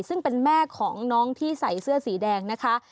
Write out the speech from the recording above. ซึ่งเป็นแม่ของน้องที่ใส่เสื้อสีแดงนะคะ